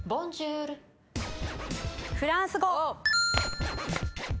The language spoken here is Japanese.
フランス語。